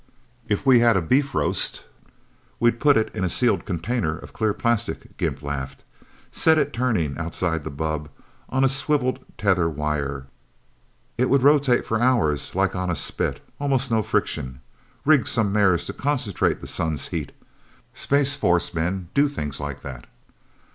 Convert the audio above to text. "If we had a beef roast, we'd put it in a sealed container of clear plastic," Gimp laughed. "Set it turning, outside the bubb, on a swiveled tether wire. It would rotate for hours like on a spit almost no friction. Rig some mirrors to concentrate the sun's heat. Space Force men do things like that."